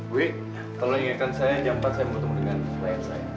wih kalau ingatan saya jam empat saya bertemu dengan klien saya